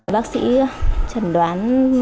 bác sĩ chẩn đoán